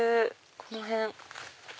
この辺。